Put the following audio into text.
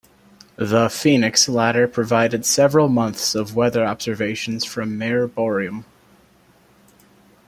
The "Phoenix" lander provided several months of weather observations from Mare Boreum.